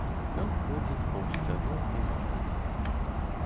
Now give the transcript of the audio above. Ён ходзіць паўз сцяну і марыць.